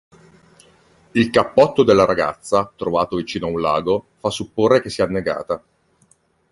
Il cappotto della ragazza, trovato vicino a un lago, fa supporre che sia annegata.